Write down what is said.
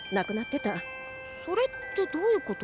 それってどういうこと？